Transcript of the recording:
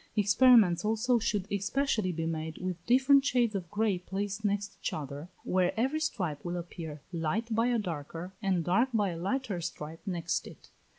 Experiments also should especially be made with different shades of grey placed next each other, where every stripe will appear light by a darker, and dark by a lighter stripe next it.